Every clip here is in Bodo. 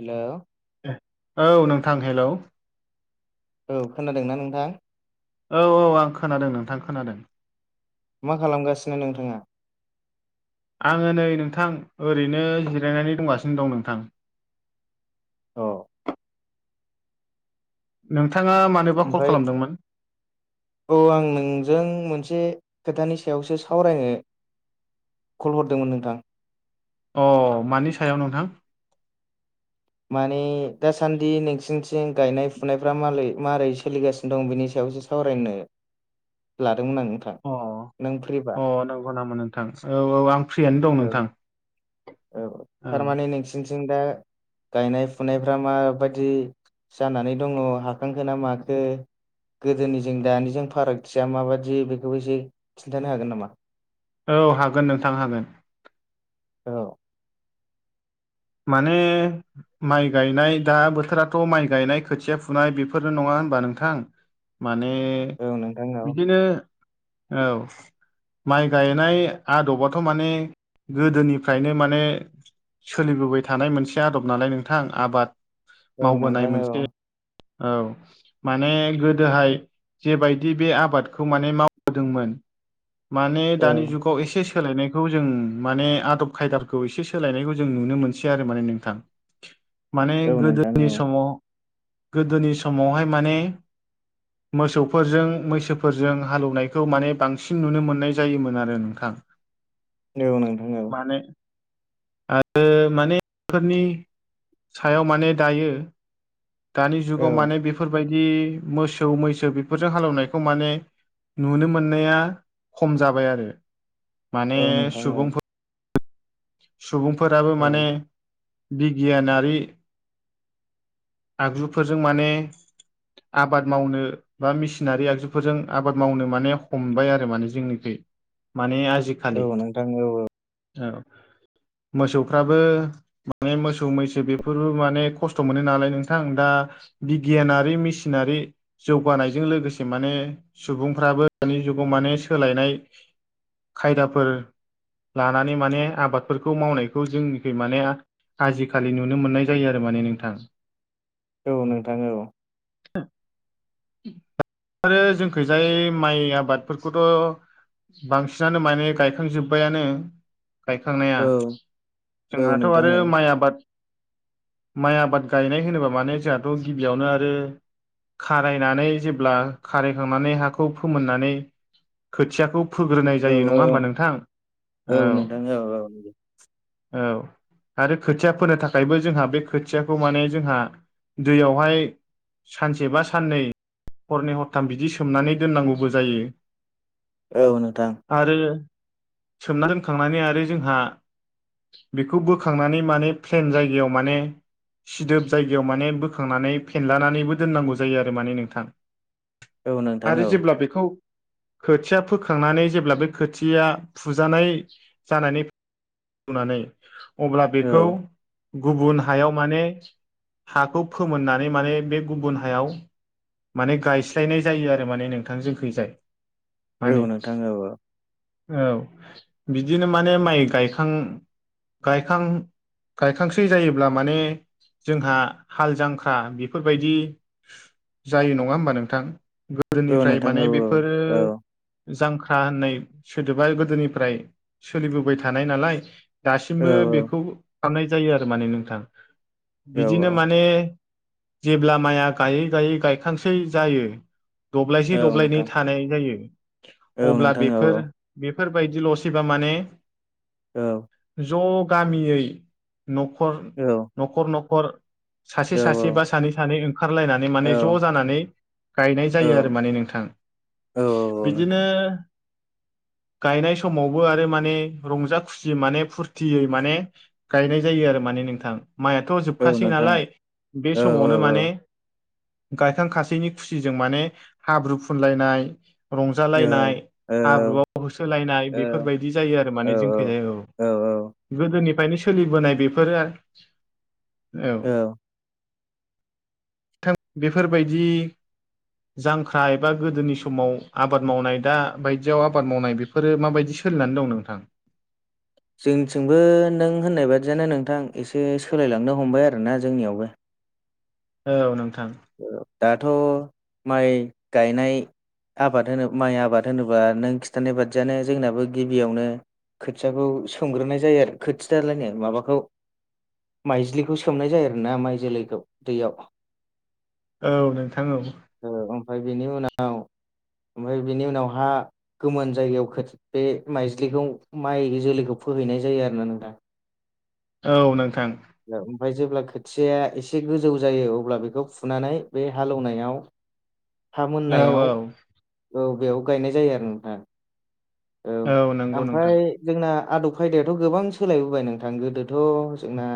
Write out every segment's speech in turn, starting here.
हेल' औ नोंथां हेल' औ खोनादों ना नोंथां औ औ आं खोनादों नोंथां खोनादों मा खालामगासिनो नोंथाङा? आङो नै नोंथां ओरैनो जिरायनानै दंगासिनो दं नोंथां। औ नोंथाङा मानोबा कल ओमफ्राय खालामदोंमोन? औ आं नोंजों मोनसे खोथानि सायावसो सावरायनो कल हरदोंमोन नोंथां। अ मानि सायाव नोंथां? माने दासान्दि नोंसिनिथिं गायनाय फुनायफ्रा मारै सोलिगासिनो दं बेनि सायावसो सावरायनो लादोंमोन आं अ नों फ्रिबा अ नंगौ नामा नोंथां औ औ आं फ्रियानो दं औ नोंथां औ थारमाने नोंसिनिथिं दा गायनाय फुनायफ्रा माबायदि जानानै दङ हाखांखो ना माखो गोदोनिजों दानिजों फारागथिया माबादि बेखौबो एसे खिन्थानो हागोन नामा औ हागोन नोंथां हागोन औ माने माइ गायनाय दा बोथोराथ' माइ गायनाय खोथिया फुनाय बेफोरनो नङा होनबा नोंथां माने औ नोंथां औ बिदिनो औ माइ गायनाय आदबाथ' माने गोदोनिफ्रायनो माने सोलिबोबाय थानाय मोनसे आदब नालाय नोंथां आबाद औ मावबोनाय नोंथां औ मोनसे औ माने गोदोहाय जेबायदि बे आबादखौ माने मावबोदोंमोन माने औ दानि जुग खौ एसे सोलायनायखौ जों माने आदब खायदाफोरखौ एसे सोलायनायखौ जों नुनो मोनसै आरो माने नोंथां। माने औ नोंथां गोदोनि औ समाव गोदोनि समावहाय माने मोसौफोरजों मैसोफोरजों हालौवनायखौ माने बांसिन नुनो मोननाय जायोमोन आरो नोंथां। औ नोंथां औ माने आरो माने बेफोरनि सायाव माने दायो दानि जुगाव औ माने बेफोरबायदि मोसौ मैसो बेफोरजों हालेवनायखौ माने नुनो मोननाया खम जाबाय आरो। माने औ नोंथां औ सुबुंफोर सुबुंफोराबो माने औ बिगियानारि आगजुफोरजों माने आबाद मावनो बा मेसिनारि आगजुफोरजों आबाद मावनो माने हमबाय आरो माने जोंनिखै। माने आजि औ खालि नोंथां औ औ औ मोसौफ्राबो माने मोसौ मैसो बेफोरबो माने खस्थ' मोनो नालाय नों थां दा बिगियानारि मेसिनारि जौगानायजों लोगोसे माने सुबुंफ्राबो दानि जुगाव माने सोलायनाय खायदाफोर लानानै माने आबादफोरखौ मावनायखौ जोंनिखै माने आजिखालि नुनो मोननाय जायो आरो माने नोंथां। औ नोंथाङ औ आरो जोंखै जाय माइ आबादफोरखौथ' बांसिनानो माने गायखांजोब्बायानो। गायखांनाया औ औ जोंहाथ' नोंथां आरो औ माइ आबाद माइ आबाद गायनाय होनोब्ला माने जोंहाथ' गिबियावनो आरो खारायनानै जेब्ला खारायखांनानै हाखौ फोमोननानै खोथियाखौ फोग्रोनाय औ जायो नङा होमबा नोंथां? औ औ आरो खोथिया फोनो थाखायबो जोंहा बे खोथियाखौ माने जोंहा दैयावहाय सानसे बा साननै हरनै हरथाम बिदि सोमनानै दोननांगौबो जायो। औ नोंथां आरो सोमना दोनखांनानै आरो जोंहा बेखौ बोखांनानै माने प्लेन जायगायाव माने सिदोब जाय दैयाव माने बोखांनानै फेनलानानैबो दोननांगौ जायो आरो माने नोंथां। औ नोंथां औ आरो जेब्ला बेखौ खोथिया फोखांनानै जेब्ला बे खोथिया फुजानाय जानानै नानै अब्ला औ बेखौ गुबुन हायाव माने हाखौ फोमोननानै माने बे गुबुन हायाव माने गायस्लायनाय जायो आरो माने नोंथां जोंखैजाय। औ माने नोंथां औ औ बिदिनो माने माइ गाय खां गायखां गायखांसै जायोब्ला माने जोंहा हाल जांख्रा बेफोरबायदि जायो नङा होमबा नोंथां? औ गोदोनिफ्राय नोंथां माने औ बेफोरो औ जांख्रा होननाय सोदोबा गोदोनिफ्राय सोलिबोबाय थानाय नालाय दासिमबो औ नोंथां औ बेखौ नोंथां औ खालामनाय जायो आरो माने नोंथां। औ बिदिनो औ माने जेब्ला माइया गायै गायै गायखांसै जायो दब्लायसे दब्लायनै नोंथां औ थानाय जायो अब्ला नोंथां बेफोर बेफोरबायदिल'सैबा माने औ ज' गामियै न'खर औ न'खर न'खर सासे सासे बा सानै सानै खारलायनानै माने ज' जानानै गायनाय जायो आरो माने नोंथां। बिदिनो गायनाय समावबो आरो माने रंजा खुसिय माने फुरथियै माने गायनाय जायो आरो माने नोंथां। माइयाथ' जोबखासै नालाय बे औ औ समावनो औ माने गायखां खसेनि खुसिजों माने हाब्रु फुनलायनाय औ रंजालायनाय औ हाब्रुआव होसोलायनाय औ बेफोरबायदि जायो आरो औ माने। जोंखैजाय औ गोदोनिफ्रायनो सोलिबोनाय बेफोरो औ [inaudible] थां बेफोरबायदि जांख्रा एबा गोदोनि समाव आबाद मावनाय दा बायदियाव आबाद मावनाय बे फोरो माबायदि सोलिनानै दं नोंथां? जोंनिथिंबो नों होननाय बादियानो नोंथां एसे सोलायलांनो हमबाय आरोना जोंनियावबो। औ नोंथां दाथ' माइ गायनाय आबाद होनो माइ आबाद होनोबा नों खिन्थानाय बादियानो जोंनाबो गिबियावनो खोथियाखौ सोमग्रोनाय जायो आरो खोथियालायनो माबाखौ माइज्लिखौ सोमनाय जायो आरोना माइ जोलैखौ दैयाव। औ नोंथां औ ओमफ्राय बेनि उनाव ओमफ्राय बिनि उनावहा गोमोन जायगायाव बे माइज्लिखौ माइ जोलैखौ फोहैनाय जायो आरो ना नोंथां। औ नोंथां ओमफ्राय जेब्ला खोथिया एसे गोजौ जायो अब्ला बेखौ फुनानै बे हालेवनायाव हा औ मोननायाव औ बेयाव गायनाय जायो आरो नोंथां। औ नंगौ नोंथां ओमफ्राय जोंना आदब खायदायाथ' गोबां सोलायबोबाय नोंथां गोदोथ' जोंना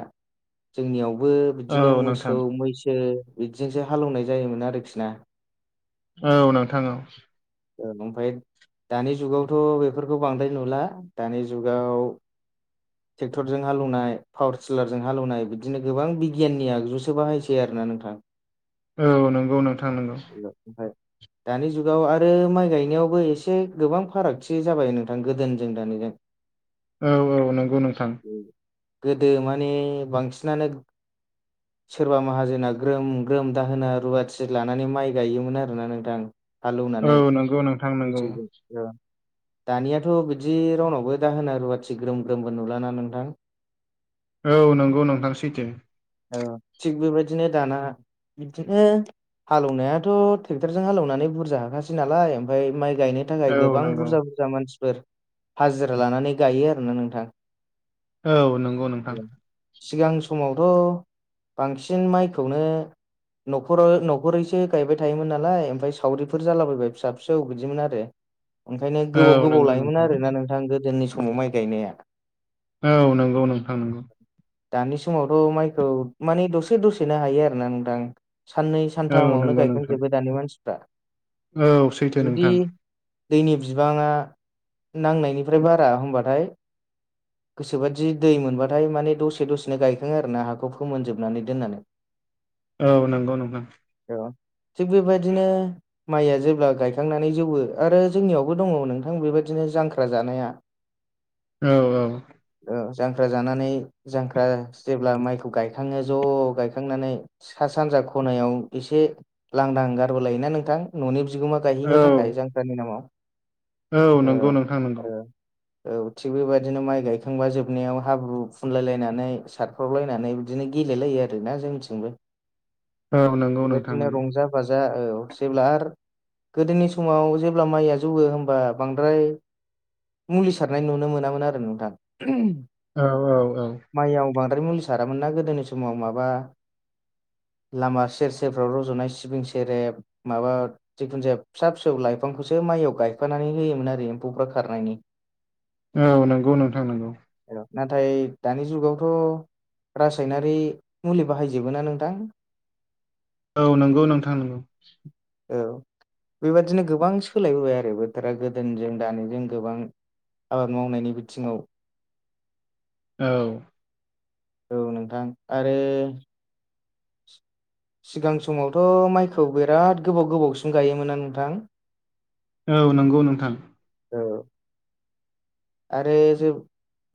जोंनियावबो बिदिनो औ नोंथां मोसौ मैसो बिदिजोंसो हालौवनाय जायोमोन आरोखि ना। औ नोंथां औ औ ओमफाय दानि जुगावथ' बेफोरखौ बांद्राय नुला दानि जुगाव ट्रेक्टरजों हालौनाय पावार टिलारजों हालौनाय बिदिनो गोबां बिगियाननि आगजुसो बाहायसै आरोना नोंथां। [inaudible] औ नोंगौ नोंथां नोंगौ ओमफ्राय दानि जुगाव आरो माइ गायनायावबो एसे गोबां फारागथि जाबाय नोंथां गोदोजों दानिजों। औ औ नंगौ नोंथां गोदो माने बांसिनानो सोरबा माहाजोना ग्रोम ग्रोम दाहोना रुवाथि लानानै माइ गायोमोन आरोना नोंथां हालौवनानै औ नंगौ नोंथां नंगौ मोसौजों। दानियाथ' बिदि रावनावबो दाहोना रुवाथि ग्रोम ग्रोमबो नुलाना नोंथां। औ नंगौ नोंथां सैथो औ थिग बेबायदिनो दाना बिदिनो हालौवनायाथ' ट्रेक्टरजों हालौवनानै बुरजा हाखासै नालाय मफ्रायाय माइ गायनाय थाखाय औ गोबां नंगौ बुरजा बुरजा मानसिफोर हाजिरा लानानै गायो आरोना नोंथां औ नंगौ नोंथां सिगां समावथ' बांसिन माइखौनो न'खराव न'खरैसो गायबाय थायोमोन नालाय ओमफाय सावरिफोर जालाबायबाय फिसा फिसौ बिदिमोन आरो। ओंखायनो गोबाव औ गोबाव नंगौ लायोमोन नोंथां आरोना नोंथां गोदोनि समाव माइ गायनाया। औ नोंगौ नोंथां नोंगौ। दानि समावथ' माइखौ मानि दसे दसेनो हायो आरोना नोंथां साननै औ सानथामावनो नंगौ नोंथां गायखांजोबो दानि मानसिफ्रा औ सैथो जुदि नोंथां दैनि बिबाङा नांनायनिफ्राय बारा होमबाथाय गोसोबादि दै मोनबाथाय माने दसे दसेनो गायखाङो आरोना हाखौ फोमोनजोबनानै दोननानै [inaudible] औ नोंगौ नोंथां। औ थिग बेबायदिनो माइया जेब्ला गायखांनानै जौवो आरो जोंनियावबो दङ नोंथां बेबायदिनो जांख्रा जानाया। औ औ। औ जांख्रा जानानै जांख्रा जेब्ला माइखौ गायखाङो ज' गायखांनानै सा सानजा खनायाव एसे लांदां गारबो लायोना नोंथां न'नि बिगोमा गायहैनो थाखाय औ जांख्रानि नामाव नंगौ औ नोंथां नंगौ ओ औ थिग बेबायदिनो माइ गाय खांबा जोबनायाव हाब्रु फुनलाय लायनानै सारफ्रावलायनानै बिदिनो गेलेलायो आरोना जोंनिथिंबो औ नंगौ नोंथां बेबायदिनो नंगौ रंजा बाजा औ जेब्ला आर गोदोनि समाव जेब्ला माइया जौवो होमबा बांद्राय मुलि सारनाय नुनो मोनामोन आरो नोंथां। औ औ औ। माइआव बांद्राय मुलि सारामोन ना गोदोनि समाव माबा लामा सेर सेरफ्राव रज'नाय सिबिं सेरेब माबा जिखुनु जाया फिसा फिसौ लाइफांखौसो माइयाव गायफानानै होयोमोन आरि एम्फौफ्रा खारनायनि। औ नोंगौ नोंथां नोंगौ। औ नाथाय दानि जुगावथ' रासायनारि मुलि बाहायजोबो ना नोंथां औ नोंगौ नोंथां नोंगौ। औ। बेबादिनो गोबां सोलायबोबाय आरो बोथोरा गोदोनिजों दानिजों गोबां आबाद मावनायनि बिथिङाव औ। औ नोंथां आरो सिगां समावथ' माइखौ बिराद गोबाव गोबावसिम गायोमोना नोंथां? औ नोंगौ नोंथां। औ। आरो जेब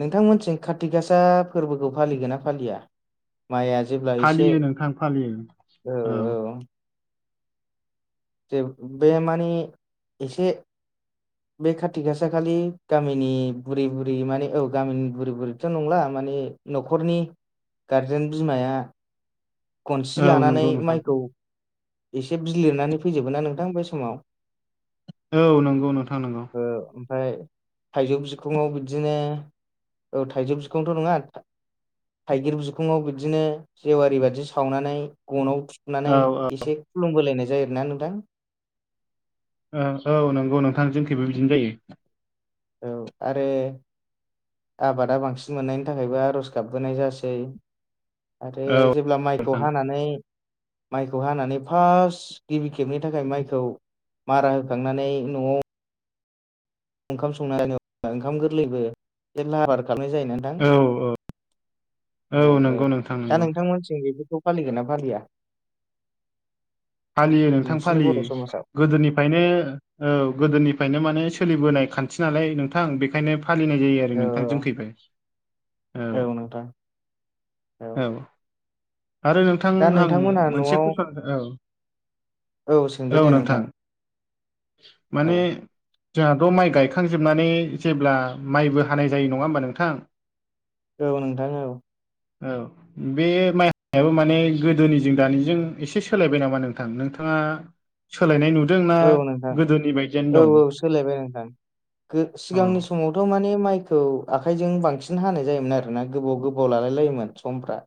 नोंथां मोननि थिं खाथि गासा फोरबोखौ फालिगोन ना फालिया? माइआ जेब्ला एसे फालियो नोंथां फालियो औ औ। जेब बे मानि एसे बे खाथि गासा खालि गामिनि बुरै बुरै माने औ गामिनि बुरै बुरैथ' नंला माने न'खरनि गारजेन बिमाया खनसि औ लानानै नंगौ नोंथां माइखौ एसे बिलिरनानै फैजोबो ना नोंथां बै समाव औ नोंगौ नोंथां नोंगौ। ओ ओमफाय थाइजौ बिखुंआव बिदिनो औ थाइजौ बिखंथ' नङा थाइगिर बिखंआव बिदिनो जेवारि बादि सावनानै गनाव औ थुनानै औ एसे खुलुमबोलायनाय जायो आरोना नोंथां। ओ औ नोंगौ नोंथां जोंखिबो बिदिनो जायो। औ आरो आबादा बांसिन मोननायनि थाखायबो आर'ज गाबबोनाय जासै आरो औ जेब्ला माइखौ नोंथां हानानै माइखौ हानानै फास्थ गिबि खेबनि थाखाय माइखौ मारा होखांनानै न'आव ओंखाम संना जा ओंखाम गोरलैबो लाहारफाहार खालामनाय जायो ना, औ औ नोंथां औ औ नंगौ नोंथां दा नंगौ नोंथांमोनसिम बेफोरखौ फालिगोन ना फालिया? फालियो नोंथां नोंसिनि फालियो। बर' समाजाव गोदोनिफ्रायनो औ गोदोनिफ्रायनो माने सोलिबोनाय खान्थि नालाय नोंथां बेखायनो, फालिनाय जायो आरो नोंथां औ जोंखैबो औ नोंथां औ औ आरो नोंथां दा आं नोंथांमोनहा मोनसे न'आव कुइसन औ औ सोंदो दे नोंथां। औ माने जोंहाथ' माइ गायखांजोबनानै जेब्ला माइबो हानाय जायो नङा होमबा नोंथां, औ नोंथां औ औ बे माइ हाबो माने गोदोनिजों दानिजों एसे सोलायबाय नामा? नोंथां नोंथाङा। सोलायनाय नुदोंना औ नोंथां गोदोनि बायदियानो दं। गो औ सिगांनि समावथ' माने माइखौ। आखाइजों बांसिन हानाय जायोमोन आरो ना गोबाव गोबाव लालाय लायोमोन समफ्रा,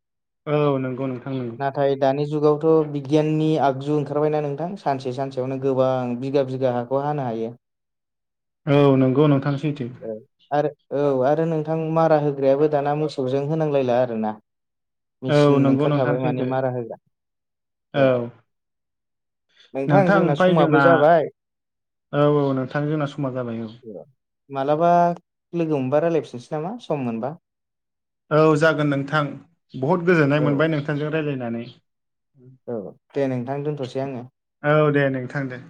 औ नंगौ नोंथांमोन नाथाय दानि जुगावथ' बिगियाननि आगजु ओंखारबायना नोंथां सानसे सानसेयावनो गोबां बिघा बिघा हा खौ हानो हायो औ नंगौ नोंथां सैथो। औ आरो औ आरो नोंथां मारा होग्रायाबो दाना मोसौजों होनांलायला आरो ना, औ मेचिन नंगौ नोंथां ओंखारखाबाय माने सैथो मारा होगोन औ नोंथां जोंना समाबो जाबाय। औ औ नोंथां जोंना समा जाबाय औ मालाबा लोगो मोनबा रायजलायफिननोसै नामा सम मोनबा, औ जागोन नोंथां बहद गोजोननाय औ मोनबाय नोंथांजों रायज्लायनानै, औ दे नोंथां दोनथ'सै आङो, औ दे नोंथां दे